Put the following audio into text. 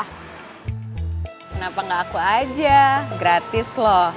kenapa gak aku aja gratis loh